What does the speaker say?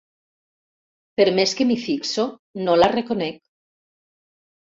Per més que m'hi fixo no la reconec.